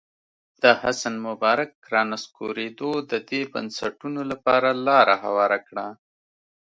د حسن مبارک رانسکورېدو د دې بنسټونو لپاره لاره هواره کړه.